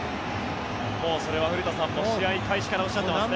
それは古田さんも試合開始からおっしゃっていますね。